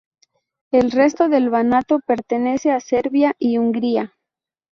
El resto del Banato pertenece a Serbia y Hungría.